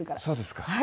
そうですか。